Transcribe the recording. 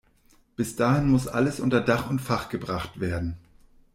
Bis dahin muss alles unter Dach und Fach gebracht werden.